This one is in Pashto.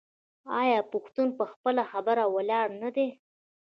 آیا پښتون په خپله خبره ولاړ نه دی؟